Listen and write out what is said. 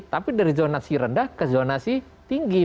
tapi dari zonasi rendah ke zonasi tinggi